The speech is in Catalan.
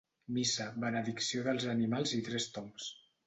Missa, benedicció dels animals i tres tombs.